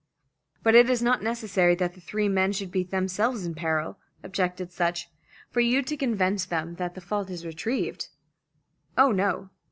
"But it is not necessary that the three men should be themselves in peril," objected Sutch, "for you to convince them that the fault is retrieved." "Oh, no.